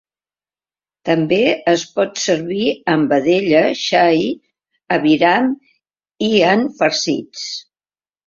També es pot servir amb vedella, xai, aviram i en farcits.